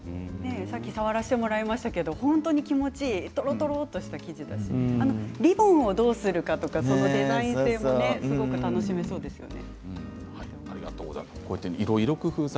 先ほど触らせてもらいましたが気持ちいいとろとろとした生地だしリボンをどうするかとかそのデザイン性もすごく楽しめそうですね。